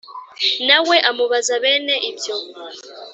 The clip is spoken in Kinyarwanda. na we amubaza bene ibyo